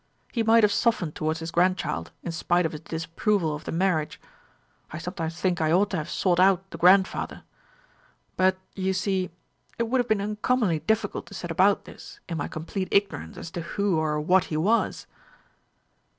He might have softened towards his grandchild, in spite of his disapproval of the marriage. I sometimes think I ought to have sought out the grandfather. But, you see, it would have been uncommonly difficult to set about this, in my complete ignorance as to who or what he was."